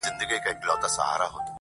او پای يې خلاص پاتې کيږي تل,